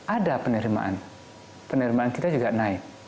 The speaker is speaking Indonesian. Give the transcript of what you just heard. ada penerimaan penerimaan kita juga naik